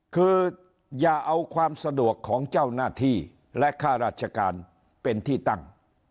คืออย่าเอาความสะดวกของเจ้าหน้าที่และค่าราชการเป็นที่ตั้ง